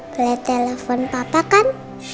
boleh telfon papa kan